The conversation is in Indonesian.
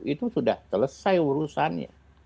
itu sudah selesai urusannya